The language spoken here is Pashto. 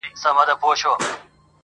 آسمانه اوس خو اهریمن د قهر،